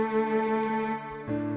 ceng eh tunggu